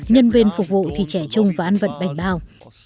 nhân viên phục vụ thì trẻ trung và ăn vận bạch bao